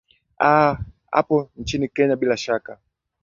aa hapo nchini kenya bila shaka